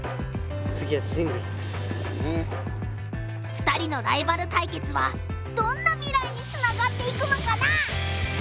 ２人のライバル対決はどんな未来につながっていくのかな？